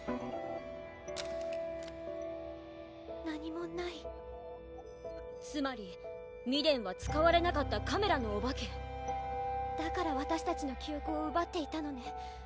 何もないつまりミデンは使われなかったカメラのお化けだからわたしたちの記憶をうばっていたのね